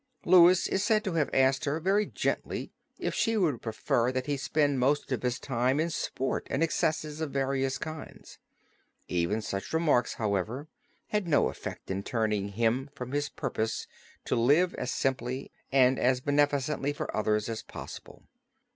Louis is said to have asked her very gently if she would prefer that he spend most of his time in sport and in excesses of various kinds. Even such remarks, however, had no effect in turning him from his purpose to live as simply and as beneficently for others as possible.